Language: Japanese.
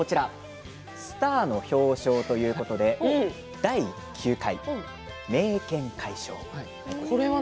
スターの表彰ということで第９回明建会賞。